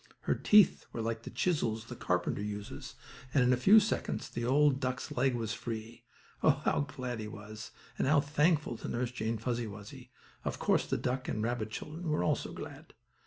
Her teeth were like the chisels the carpenter uses and in a few seconds the old duck's leg was free. Oh, how glad he was, and how thankful to Nurse Jane Fuzzy Wuzzy! Of course the duck and rabbit children also were glad.